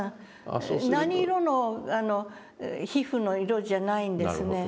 何色の皮膚の色じゃないんですね。